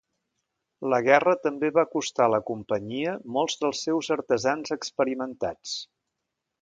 La guerra també va costar a la companyia molts dels seus artesans experimentats.